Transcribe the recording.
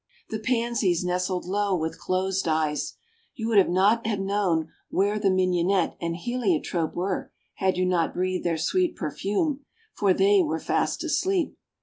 The Pansies nestled low with closed eyes. You would not have known where the Mignonette and Heliotrope were had you not breathed their sweet perfume, for they were fast asleep.